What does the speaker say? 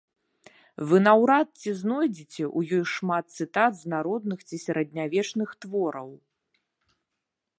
Вы наўрад ці знойдзеце ў ёй шмат цытат з народных ці сярэднявечных твораў.